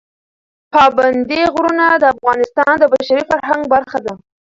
پابندی غرونه د افغانستان د بشري فرهنګ برخه ده.